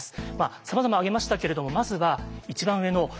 さまざま挙げましたけれどもまずは一番上の転籍制限